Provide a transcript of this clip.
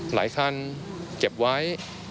หลายคันเก็บไว้